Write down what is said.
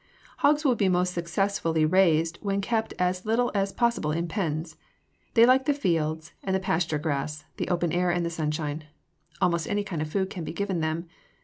Hogs will be most successfully raised when kept as little as possible in pens. They like the fields and the pasture grass, the open air and the sunshine. Almost any kind of food can be given them.